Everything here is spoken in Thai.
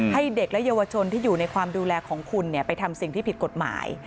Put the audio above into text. ให้เด็กและเยาวชนที่อยู่ในความดูแลของคุณไปทำสิ่งที่ผิดกฎหมาย